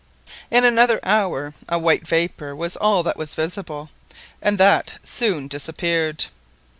In another hour a white vapour was all that was visible, and that soon disappeared.